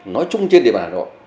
nói chung trên địa bàn hà nội